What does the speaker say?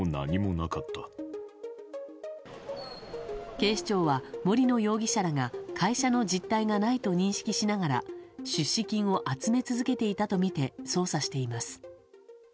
警視庁は、森野容疑者らが会社の実体がないと認識しながら出資金を集め続けていたとみて捜査しています。